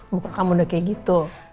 muka kamu udah kayak gitu